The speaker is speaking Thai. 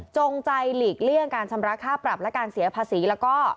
จงใจหลีกเลี่ยงการชำระค่าปรับและการเสียภาษีแล้วก็